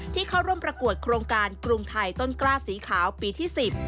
เข้าร่วมประกวดโครงการกรุงไทยต้นกล้าสีขาวปีที่๑๐